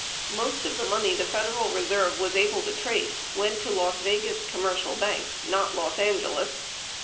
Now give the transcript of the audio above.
Most of the money the Federal Re serve was able to trace went to Las Vegas commercial banks, not Los Angeles.